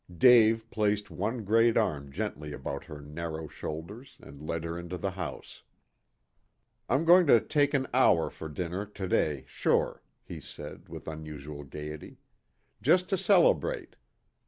Dave placed one great arm gently about her narrow shoulders and led her into the house. "I'm going to take an hour for dinner to day sure," he said, with unusual gaiety. "Just to celebrate.